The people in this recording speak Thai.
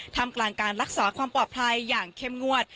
ทำกลางการรักษาความปลอดภัยอย่างเข้มงวด